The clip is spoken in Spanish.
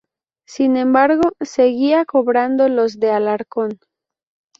Sin embargo seguían cobrando los de Alarcón.